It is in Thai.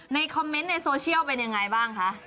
ในคอมเมนต์ในโซเชียลเป็นยังไงบ้างคะ